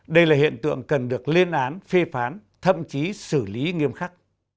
đây là hiện tượng cần được lên án phê phán thậm chí xử lý nghiêm khắc